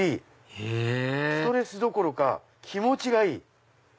へぇストレスどころか気持ちがいい！